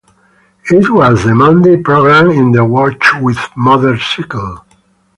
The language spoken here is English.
It was the Monday programme in the "Watch with Mother" cycle.